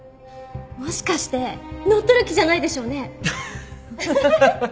もしかして乗っ取る気じゃないでしょうね？